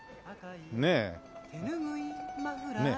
ねえ。